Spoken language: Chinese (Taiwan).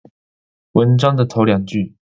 文章的頭兩句